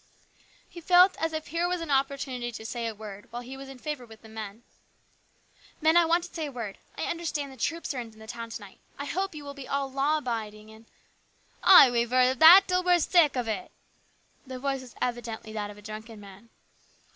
He felt as if here was an opportunity to say a word while he was in favour with the men. " Men, I want to say a word. I understand troops are in the town to night. I hope you will all be law abiding and "" Ay, we've heard that till we're sick of it !" The voice was evidently that of a drunken man.